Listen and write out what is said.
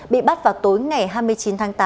bị bắt vào tối ngày hai mươi chín tháng tám